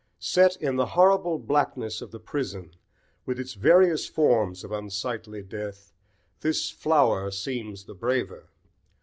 Set in the horrible blackness of the prison, with its various forms of unsightly death, this flower seems the braver.